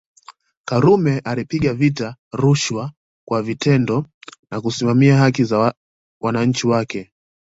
Karume alipiga vita rushwa kwa vitendo na kusimamia haki za wananchi wake